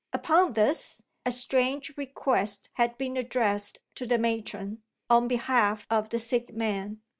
Upon this, a strange request had been addressed to the matron, on behalf of the sick man.